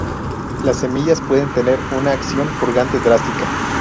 Las semillas pueden tener una acción purgante drástica.